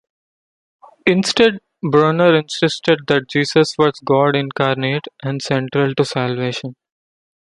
Instead, Brunner insisted that Jesus was God incarnate and central to salvation.